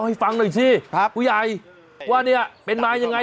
ให้ฟังหน่อยสิผู้ใหญ่ว่าเนี่ยเป็นมายังไง